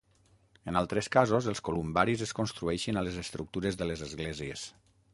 En altres casos, els columbaris es construeixen a les estructures de les esglésies.